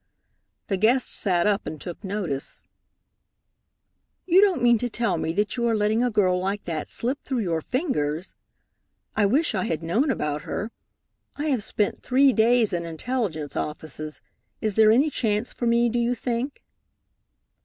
The guest sat up and took notice. "You don't mean to tell me that you are letting a girl like that slip through your fingers? I wish I had known about her. I have spent three days in intelligence offices. Is there any chance for me, do you think?"